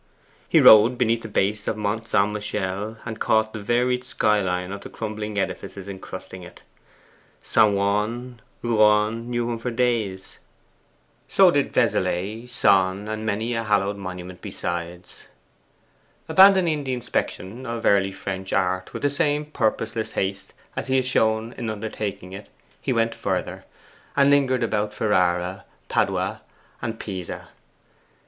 He rowed beneath the base of Mont St. Michel, and caught the varied skyline of the crumbling edifices encrusting it. St. Ouen's, Rouen, knew him for days; so did Vezelay, Sens, and many a hallowed monument besides. Abandoning the inspection of early French art with the same purposeless haste as he had shown in undertaking it, he went further, and lingered about Ferrara, Padua, and Pisa.